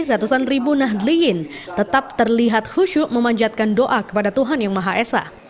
ratusan ribu nahdliyin tetap terlihat khusyuk memanjatkan doa kepada tuhan yang maha esa